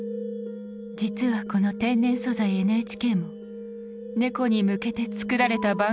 実はこの「天然素材ＮＨＫ」もネコに向けて作られた番組だったのだ！